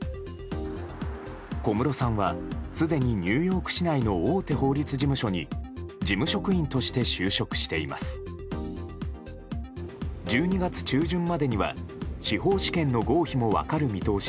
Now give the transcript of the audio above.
小室さんはすでにニューヨーク市内の大手法律事務所に事務職員として就職しています。